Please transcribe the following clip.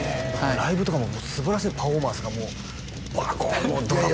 ライブとかももうすばらしいパフォーマンスがもうバコーン！